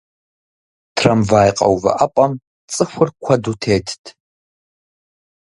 Трамвай къэувыӀэпӀэм цӀыхур куэду тетт.